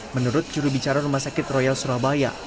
menurut jurubicara rumah sakit royal surabaya